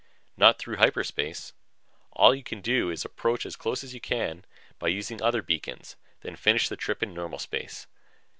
Not through hyperspace. All you can do is approach as close as you can by using other beacons, then finish the trip in normal space.